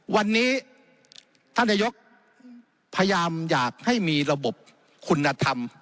วันนี้ท่านนายกพยายามอยากให้มีระบบคุณธรรม